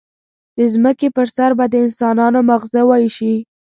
د ځمکې پر سر به د انسانانو ماغزه وایشي.